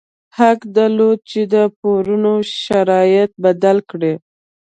حق درلود چې د پورونو شرایط بدل کړي.